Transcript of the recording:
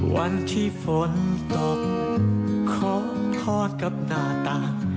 วันที่ฝนตกขอทอดกับหน้าตา